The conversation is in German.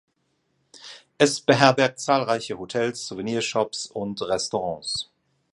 Es beherbergt zahlreiche Hotels, Souvenir-Shops und Restaurants.